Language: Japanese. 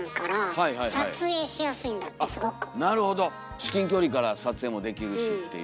至近距離から撮影もできるしっていう。